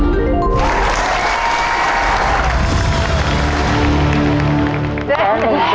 แบ้น